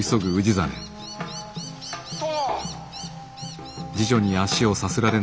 殿！